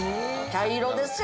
茶色ですよ！